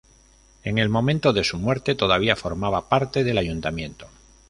En el momento de su muerte todavía formaba parte del ayuntamiento.